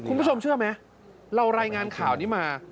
คุณผู้ชมเชื่อไหมเรารายงานข่าวนี้มา